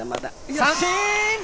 三振！